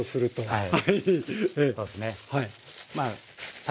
はい。